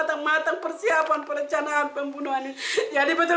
bagi diberikan inan yang seandainya dihanyam